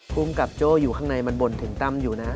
ภูมิกับโจ้อยู่ข้างในมันบ่นถึงตั้มอยู่นะ